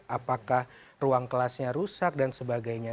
apakah ruang kelasnya rusak dan sebagainya